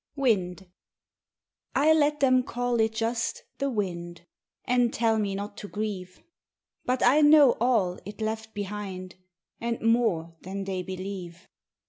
Wind I let them call it just The Wind, And tell me not to grieve. But I know all it left behind, And more than they believe.